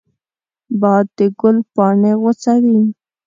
باد د ګل پاڼې خوځوي